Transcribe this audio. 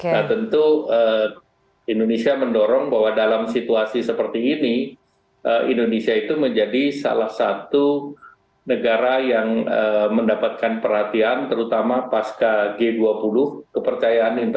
nah tentu indonesia mendorong bahwa dalam situasi seperti ini indonesia itu menjadi salah satu negara yang mendapatkan perhatian terutama pasca g dua puluh kepercayaan